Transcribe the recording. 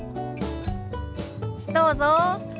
どうぞ。